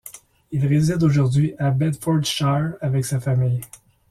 Il réside aujourd'hui à Bedfordshire avec sa famille.